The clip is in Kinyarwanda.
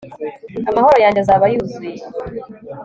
Amahoro yanjye azaba yuzuye